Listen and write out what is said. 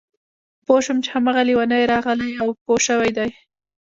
پوه شوم چې هماغه لېونی راغلی او پوه شوی دی